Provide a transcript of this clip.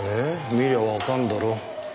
見りゃわかるだろ。